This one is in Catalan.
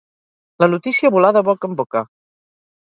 La notícia volà de boca en boca.